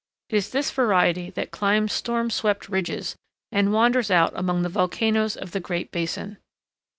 It is this variety that climbs storm swept ridges, and wanders out among the volcanoes of the Great Basin.